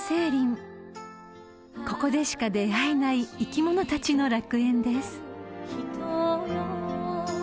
［ここでしか出合えない生き物たちの楽園です］